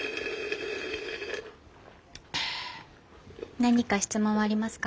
何か質問はありますか？